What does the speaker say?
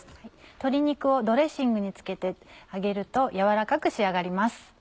鶏肉をドレッシングに漬けて揚げると軟らかく仕上がります。